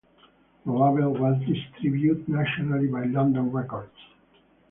The label was distributed nationally by London Records.